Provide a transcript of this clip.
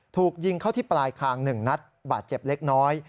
ถูกยิงเข้าที่ปลายคาง๑นัดบาดเจ็บเล็กน้อย